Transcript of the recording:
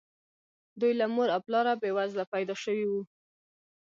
دوی له مور او پلاره بې وزله پيدا شوي وو.